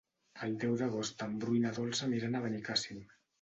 El deu d'agost en Bru i na Dolça aniran a Benicàssim.